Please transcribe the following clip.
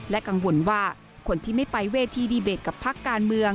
กังวลว่าคนที่ไม่ไปเวทีดีเบตกับพักการเมือง